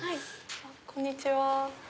こんにちは。